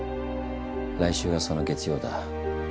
来週がその月曜だ。